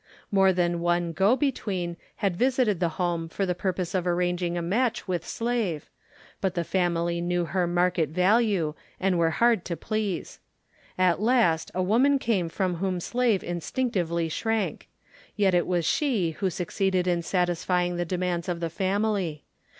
More than one "go between" had visited the home for the purpose of arranging a match with Slave, but the family knew her market value and were hard to please. At last a woman came from whom Slave instinctively shrank. Yet it was she who succeeded in satisfying the demands of the family.